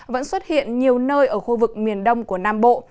vẫn xuất hiện nhiều nơi ở khu vực miền đông của nam bộ